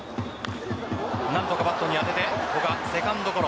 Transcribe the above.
何とかバットに当てて古賀、セカンドゴロ。